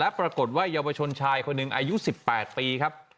ปรากฏว่าเยาวชนชายคนหนึ่งอายุ๑๘ปีครับ